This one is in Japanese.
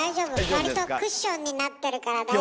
わりとクッションになってるから大丈夫。